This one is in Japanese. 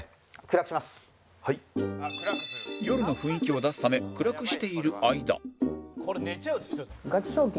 夜の雰囲気を出すため暗くしている間ガチ賞金？